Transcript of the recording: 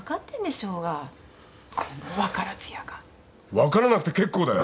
分からなくて結構だよ。